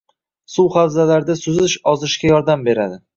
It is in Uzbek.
Suv havzalarida suzish ozishga yordam beradi.